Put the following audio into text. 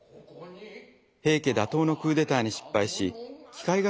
平家打倒のクーデターに失敗し鬼界ケ